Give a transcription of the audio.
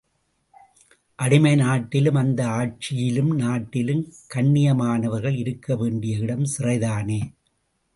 அடிமை நாட்டிலும் அந்த ஆட்சியுள்ள நாட்டிலும் கண்ணியமானவர்கள் இருக்க வேண்டிய இடம் சிறைதானே!